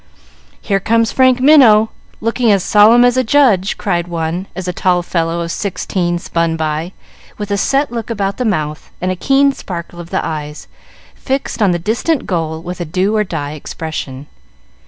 "Here comes Frank Minot, looking as solemn as a judge," cried one, as a tall fellow of sixteen spun by, with a set look about the mouth and a keen sparkle of the eyes, fixed on the distant goal with a do or die expression.